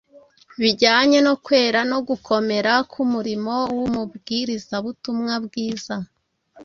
bijyanye no kwera no gukomera k’umurimo w’umubwirizabutumwa bwiza